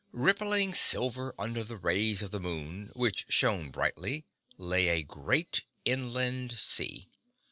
Rippling silver under the rays of the moon, which shone brightly, lay a great inland sea.